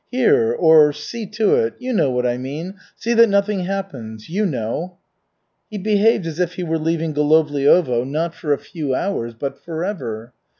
"Here , or see to it you know what I mean. See that nothing happens you know." He behaved as if he were leaving Golovliovo not for a few hours, but forever.